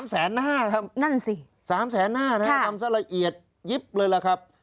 ๓แสนนาครับนั่นสิ๓แสนนานะครับทำใส่ละเอียดยิบเลยล่ะครับ